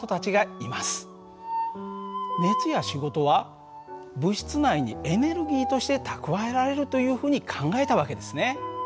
熱や仕事は物質内にエネルギーとして蓄えられるというふうに考えた訳ですね。